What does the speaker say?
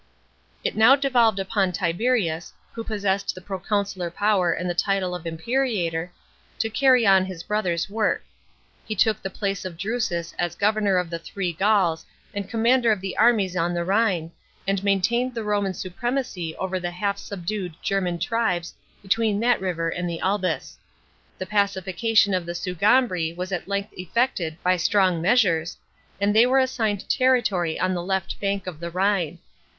§ 7. It now devolved upon Tiberius, who possessed the pro consular power and the title of imperator, to carry on his brother's work. He took the place ol Drus is as governor of the Three Gauls and commander of the armies on the lihine, and maintained the Roman supremacy over the hall S'ibdue'l German tribes between that river and the Albi*. The pacification of the Sugambri was at length effecti d by strong measures, and they were assigned territory <>n the left bank of the Rhine.